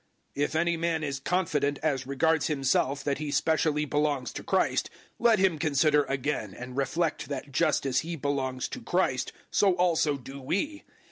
If any man is confident as regards himself that he specially belongs to Christ, let him consider again and reflect that just as he belongs to Christ, so also do we.